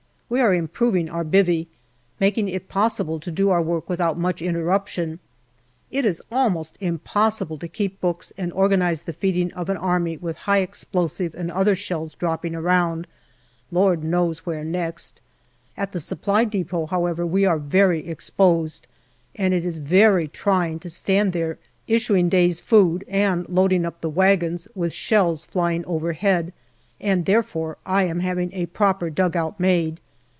We are improving our " bivvy/' making it possible to do our work without much inter ruption. It is almost impossible to keep books and or ganize the feeding of an army with high explosive and other shells dropping around, Lord knows where next. At the Supply depot, however, we are very exposed, and it is very trying to stand there issuing day's food and loading up the wagons with shells flying overhead, and therefore I am having a proper dugout made.